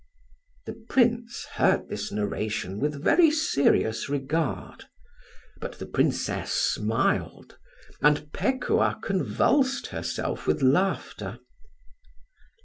'" The Prince heard this narration with very serious regard; but the Princess smiled, and Pekuah convulsed herself with laughter.